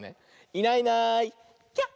「いないいないきゃ！」。